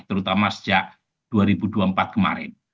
terutama sejak dua ribu dua puluh empat kemarin